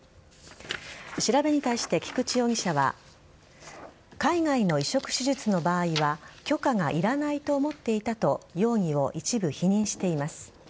調べに対し、菊池容疑者は海外の移植手術の場合は許可がいらないと思っていたと容疑を一部否認しています。